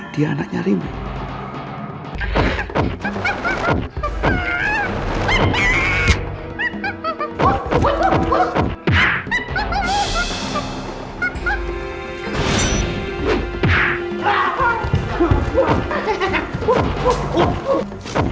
dia anak nyaring